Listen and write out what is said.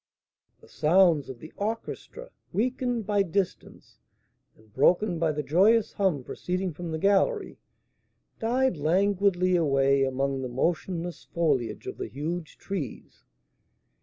The sounds of the orchestra, weakened by distance, and broken by the joyous hum proceeding from the gallery, died languidly away among the motionless foliage of the huge trees.